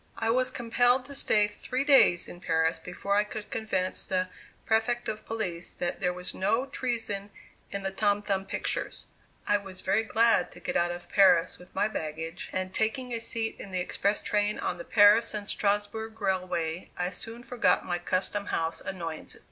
I was compelled to stay three days in Paris before I could convince the Prefect of Police that there was no treason in the Tom Thumb pictures. I was very glad to get out of Paris with my baggage and taking a seat in the express train on the Paris and Strasbourg railway I soon forgot my custom house annoyances.